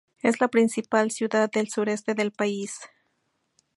Es la principal ciudad del sureste del país.